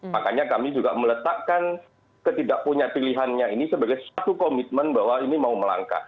makanya kami juga meletakkan ketidakpunya pilihannya ini sebagai satu komitmen bahwa ini mau melangkah